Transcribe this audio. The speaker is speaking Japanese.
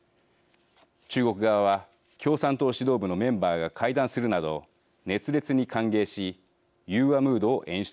中国側は共産党指導部のメンバーが会談するなど熱烈に歓迎し融和ムードを演出しました。